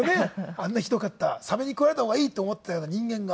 あんなひどかったサメに食われた方がいいと思っていたような人間が。